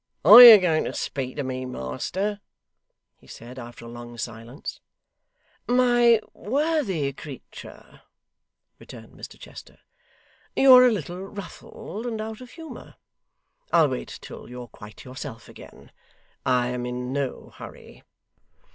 'Are you going to speak to me, master?' he said, after a long silence. 'My worthy creature,' returned Mr Chester, 'you are a little ruffled and out of humour. I'll wait till you're quite yourself again. I am in no hurry.